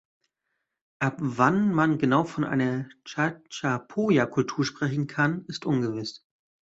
Ab wann man genau von einer Chachapoya-Kultur sprechen kann, ist ungewiss.